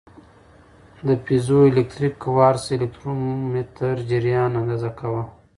د پیزوالکتریک کوارتز الکترومتر جریان اندازه کاوه.